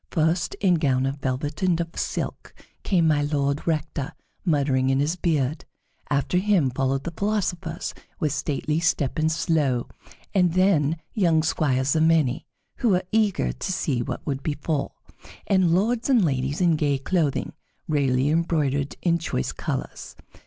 First, in gown of velvet and of silk, came My Lord Rector, muttering in his beard; after him followed the philosophers, with stately step and slow; and then young squires a many, who were eager to see what would befall; and lords and ladies in gay clothing, rarely embroidered in choice colors.